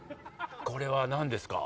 これは何ですか？